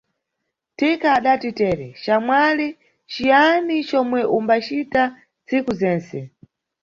Thika adati tere, xamwali ciyani comwe umbacita tsiku zense?